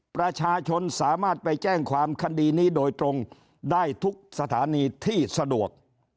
ประชาชนสามารถไปแจ้งความคดีนี้โดยตรงได้ทุกสถานีที่สะดวก